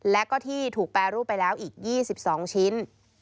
และก็ที่ถูกแปรรูปไปแล้วอีก๒๒ชิ้น